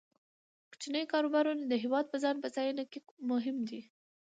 کوچني کاروبارونه د هیواد په ځان بسیاینه کې مهم دي.